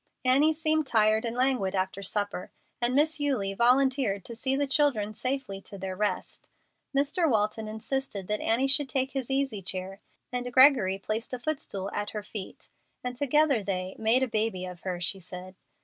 Annie seemed tired and languid after supper and Miss Eulie volunteered to see the children safely to their rest. Mr. Walton insisted that Annie should take his easy chair, and Gregory placed a footstool at her feet, and together they "made a baby of her," she said.